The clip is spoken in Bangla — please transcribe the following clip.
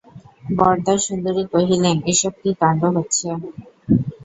বরদাসুন্দরী কহিলেন, এ-সব কী কাণ্ড হচ্ছে!